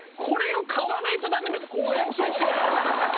これを買わないとダメなのこうやって。